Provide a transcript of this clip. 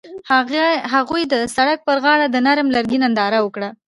هغوی د سړک پر غاړه د نرم لرګی ننداره وکړه.